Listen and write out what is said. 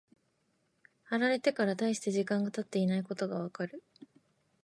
貼られてから大して時間が経っていないことがわかる。